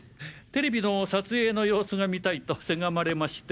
ＴＶの撮影の様子が見たいとせがまれまして。